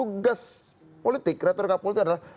tugas politik retorika politik adalah